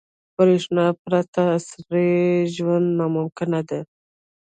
• برېښنا پرته عصري ژوند ناممکن دی.